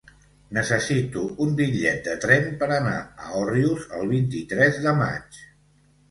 Necessito un bitllet de tren per anar a Òrrius el vint-i-tres de maig.